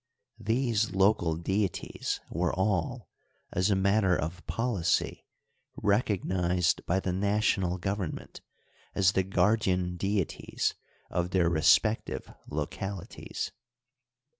These local deities were all, as a matter of policy, recognized by the national government as the guardian deities of their respective localities.